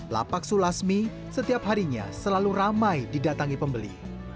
lapak sulasmi setiap harinya selalu ramai didatangi pembeli